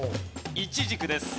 イチジクです。